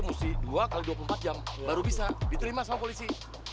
mesti dua x dua puluh empat jam baru bisa diterima sama polisi